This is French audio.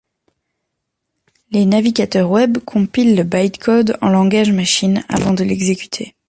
Les navigateurs Web compilent le bytecode en langage machine avant de l'exécuter.